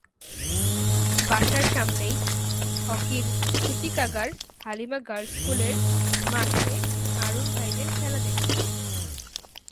বাসার সামনেই হকির সূতিকাগার হালিমা গার্লস স্কুলের মাঠে হারুন ভাইদের খেলা দেখতাম।